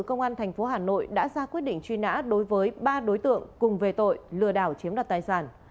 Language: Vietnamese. công an thành phố hà nội đã ra quyết định truy nã đối với ba đối tượng cùng về tội lừa đảo chiếm đặt tài sản